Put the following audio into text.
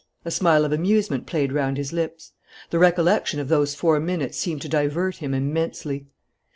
A smile of amusement played round his lips. The recollection of those four minutes seemed to divert him immensely.